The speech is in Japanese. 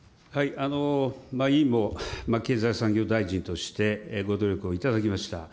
委員も経済産業大臣として、ご努力をいただきました。